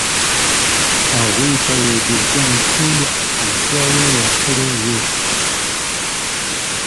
هغوی ته يې د ژوند ټولې اسانتیاوې ورکړې وې.